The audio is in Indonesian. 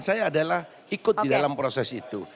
saya adalah ikut di dalam proses itu